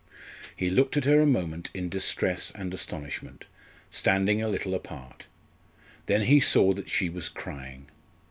He looked at her a moment in distress and astonishment, standing a little apart. Then he saw that she was crying.